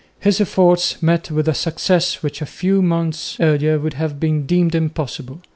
His efforts met with a success which a few months earlier would have been deemed impossible.